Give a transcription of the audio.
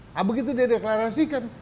nah begitu dia deklarasikan